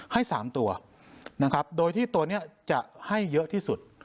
ให้๓ตัวนะครับโดยที่ตัวนี้จะให้เยอะที่สุด